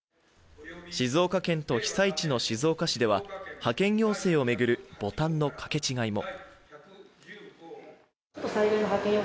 静岡県と被災地の静岡市では、派遣行政を巡るボタンのかけ違いも。